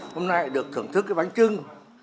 hôm nay được thưởng thức cái bánh trưng